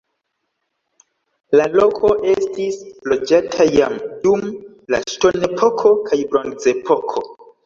La loko estis loĝata jam dum la ŝtonepoko kaj bronzepoko.